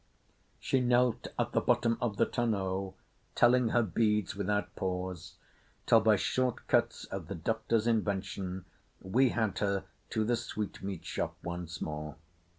She knelt at the bottom of the tonneau telling her beads without pause till, by short cuts of the Doctor's invention, we had her to the sweetmeat shop once more.